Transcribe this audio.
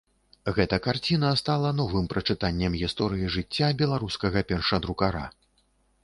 Гэта карціна стала новым прачытаннем гісторыі жыцця беларускага першадрукара.